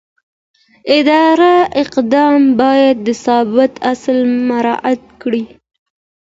اداري اقدام باید د ثبات اصل مراعت کړي.